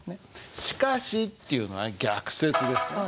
「しかし」っていうのは逆接ですね。